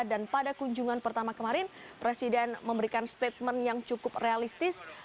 dan pada kunjungan pertama kemarin presiden memberikan statement yang cukup realistis